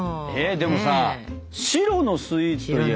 でもさ白のスイーツといえば？